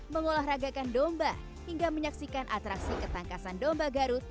mengolahragakan domba hingga menyaksikan atraksi ketangkasan domba garut